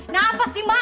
nampak sih ma